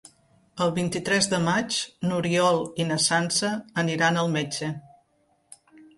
El vint-i-tres de maig n'Oriol i na Sança aniran al metge.